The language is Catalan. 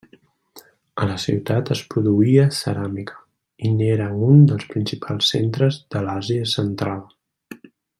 A la ciutat es produïa ceràmica, i n'era un dels principals centres de l'Àsia Central.